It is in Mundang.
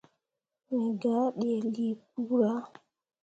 Me gah ɗǝǝne lii kpura.